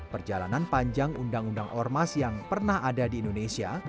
perjalanan panjang undang undang ormas yang pernah ada di indonesia